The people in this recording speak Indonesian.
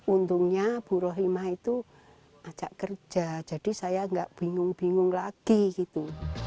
untungnya bu rohimah itu ajak kerja jadi saya nggak bingung bingung lagi gitu